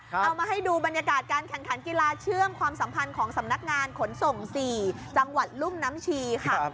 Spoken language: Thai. เอามาให้ดูบรรยากาศการแข่งขันกีฬาเชื่อมความสัมพันธ์ของสำนักงานขนส่ง๔จังหวัดลุ่มน้ำชีค่ะ